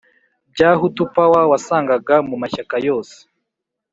bya Hutu Power wasangaga mu mashyaka yose